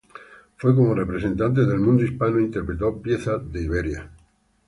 Fue como representante del mundo hispano e interpretó piezas de Iberia.